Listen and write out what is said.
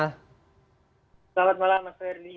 selamat malam mas ferdie